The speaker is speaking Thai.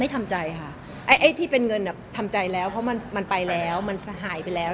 ทำใจค่ะไอ้ที่เป็นเงินทำใจแล้วเพราะมันไปแล้วมันสหายไปแล้ว